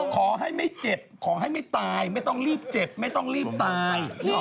ขอให้ไม่เจ็บขอให้ไม่ตายไม่ต้องรีบเจ็บไม่ต้องรีบตาย